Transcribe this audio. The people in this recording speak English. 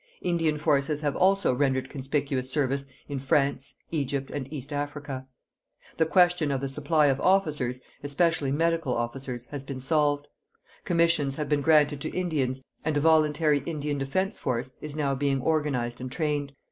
Indian forces have also rendered conspicuous service in France, Egypt and East Africa. The question of the supply of officers, especially medical officers, has been solved; commissions have been granted to Indians, and a voluntary Indian Defence Force is now being organised and trained.